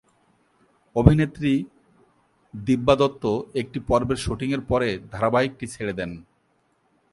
অভিনেত্রী দিব্যা দত্ত একটি পর্বের শুটিংয়ের পরে ধারাবাহিকটি ছেড়ে দেন।